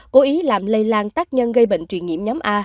cố ý làm lây lan tác nhân gây bệnh truyền nhiễm nhóm a